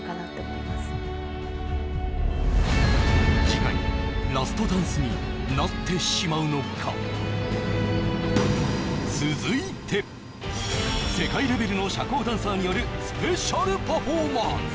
次回ラストダンスになってしまうのか世界レベルの社交ダンサーによるスペシャルパフォーマンス